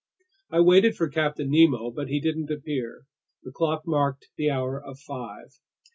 I waited for Captain Nemo. But he didn't appear. The clock marked the hour of five.